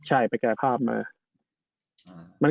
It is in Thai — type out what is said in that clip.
ใช่ว่าไปกายภาพมา